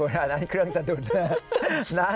อ่อนอันนั้นเครื่องสะดุดแล้ว